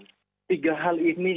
tiga hal ini yang terlalu penting